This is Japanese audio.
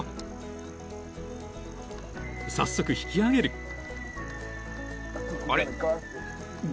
［早速引き上げる］